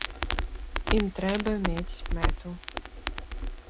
Ім трэба мець мэту.